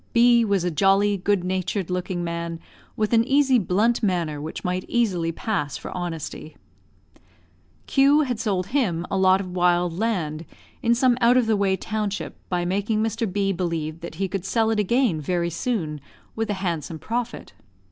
B was a jolly, good natured looking man, with an easy blunt manner which might easily pass for honesty. Q had sold him a lot of wild land in some out of the way township, by making Mr. B believe that he could sell it again very soon, with a handsome profit.